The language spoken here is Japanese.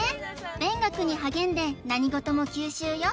勉学に励んで何事も吸収よ